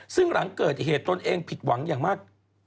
ซึ่งหลังเกิดเหตุตนเองผิดหวังอย่างมาก